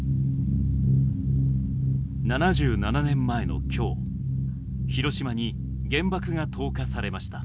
７７年前の今日広島に原爆が投下されました。